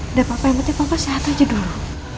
udah papa yang penting papa sehat aja dulu